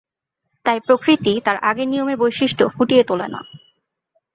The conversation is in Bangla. তাই প্রকৃতি তার আগের নিয়মের বৈশিষ্ট্য ফুটিয়ে তোলে না।